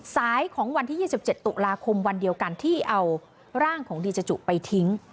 สายของวันที่๒๗ตุลาคมวันเดียวกันที่เอาร่างของดีเจจุไปทิ้ง